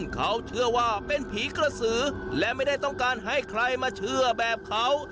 เขาเชื่อว่าเป็นผีกระสือและไม่ได้ต้องการให้ใครมาเชื่อแบบเขา